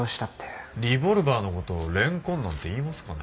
リボルバーの事レンコンなんて言いますかね？